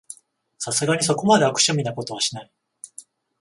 さすがにそこまで悪趣味なことはしない